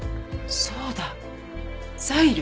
そうだザイル！